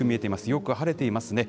よく晴れていますね。